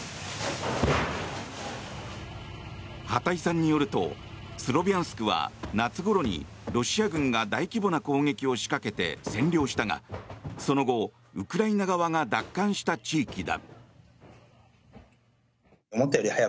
畑井さんによるとスロビャンスクは夏ごろに、ロシア軍が大規模な攻撃を仕掛けて占領したがその後ウクライナ側が奪還した地域だ。